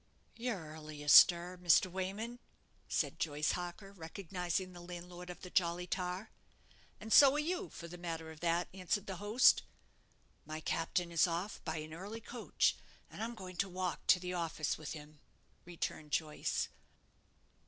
"You're early astir, Mr. Wayman," said Joyce Harker, recognizing the landlord of the 'Jolly Tar'. "And so are you, for the matter of that," answered the host. "My captain is off by an early coach, and I'm going to walk to the office with him," returned Joyce.